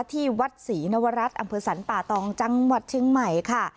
ที่วัดศรีนวรัฐอำเภอสรรป่าตองจังหวัดเชียงใหม่ค่ะ